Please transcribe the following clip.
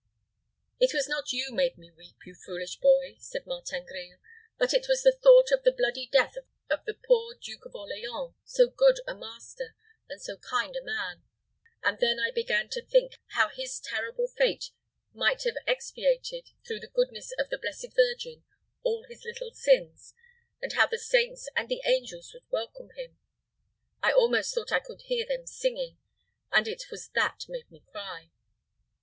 "It was not you made me weep, you foolish boy," said Martin Grille; "but it was the thought of the bloody death of the poor Duke of Orleans, so good a master, and so kind a man; and then I began to think how his terrible fate might have expiated, through the goodness of the blessed Virgin, all his little sins, and how the saints and the angels would welcome him. I almost thought I could hear them singing, and it was that made me cry.